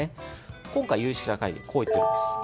今回、有識者会議ではこう言っています。